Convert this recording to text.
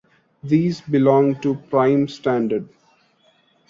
These belong to Prime Standard.